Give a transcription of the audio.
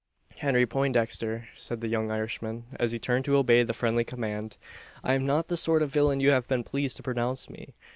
"Henry Poindexter," said the young Irishman, as he turned to obey the friendly command, "I am not the sort of villain you have been pleased to pronounce me.